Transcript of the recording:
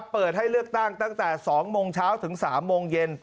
เปิดให้เลือกตั้งตั้งแต่๒โมงเช้าถึง๓โมงเย็น